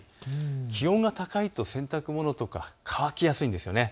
気温が高いと洗濯物とか乾きやすいんですよね。